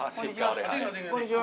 あっこんにちは。